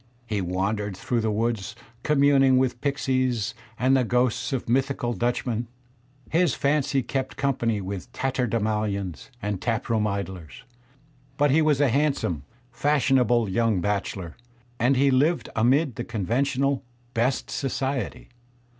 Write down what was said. He wandered through the woods communing with pixies and the ghosts of mythical Dutchmen; his fancy kept company with tatterdemalions and tap room idlers; but he was a handsome, fashionable young bachelor, and he Kved amid the conventional "best society."